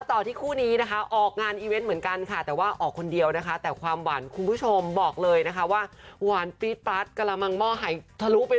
ต่อที่คู่นี้นะคะออกงานอีเวนต์เหมือนกันค่ะแต่ว่าออกคนเดียวนะคะแต่ความหวานคุณผู้ชมบอกเลยนะคะว่าหวานปี๊ดปั๊ดกระมังหม้อหายทะลุไปเลย